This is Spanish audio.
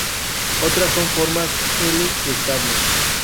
Otras son Formas L estables.